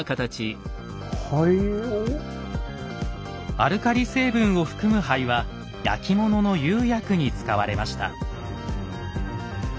アルカリ成分を含む灰は焼き物の釉薬に使われました。